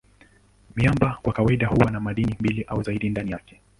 Miamba kwa kawaida huwa na madini mbili au zaidi ndani yake.